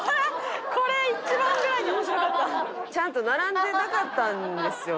ちゃんと並んでなかったんですよ